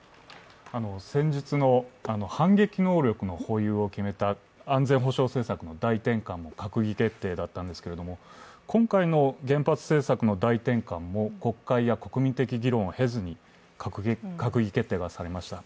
先日の反撃能力の保有を決めた安全保障政策の大転換の閣議決定だったんですけれども今回の原発政策の大転換も国会や国民的議論を経ずに閣議決定がされました。